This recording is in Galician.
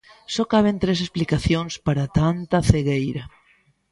Só caben tres explicacións para tanta cegueira.